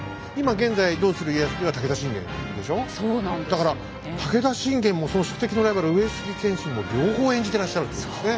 だから武田信玄もその宿敵のライバル上杉謙信も両方演じてらっしゃるということですね。